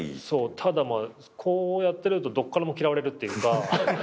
ただこうやってるとどっからも嫌われるっていうか。